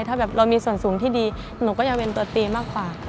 ถ้าแบบเรามีส่วนสูงที่ดีหนูก็ยังเป็นตัวตีมากกว่า